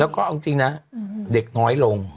แล้วก็เอาจริงนะเด็กน้อยลง